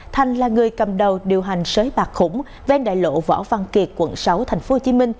thành là người cầm đầu điều hành sới bạc khủng ven đại lộ võ văn kiệt quận sáu tp hcm